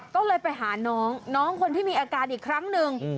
ก็เลยไปหาน้องน้องคนที่มีอาการอีกครั้งหนึ่ง